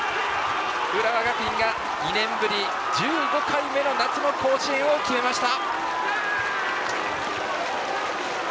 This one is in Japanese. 浦和学院が２年ぶり１５回目の夏の甲子園を決めました！